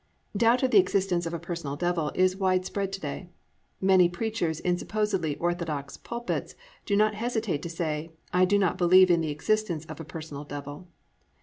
Doubt of the existence of a personal Devil is widespread to day. Many preachers in supposedly orthodox pulpits do not hesitate to say, "I do not believe in the existence of a personal Devil."